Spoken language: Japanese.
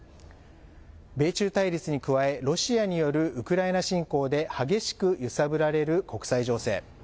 米中対立に加え、ロシアによるウクライナ侵攻で激しく揺さぶられる国際情勢。